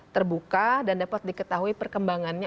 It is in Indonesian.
terbuka dan dapat diketahui perkembangannya